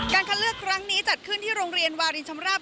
คัดเลือกครั้งนี้จัดขึ้นที่โรงเรียนวารินชำราบ